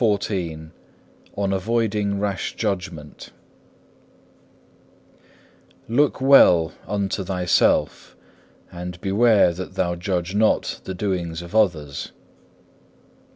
CHAPTER XIV On avoiding rash judgment Look well unto thyself, and beware that thou judge not the doings of others.